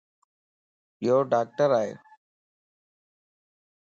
يو ڊاڪٽر ائي